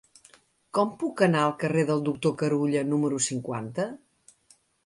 Com puc anar al carrer del Doctor Carulla número cinquanta?